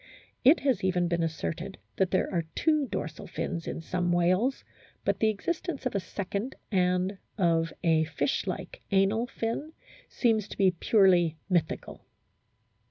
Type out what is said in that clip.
It has even been asserted that there are two dorsal fins in some whales ; but the existence of a second and of a fish like anal fin seems to be purely mythical.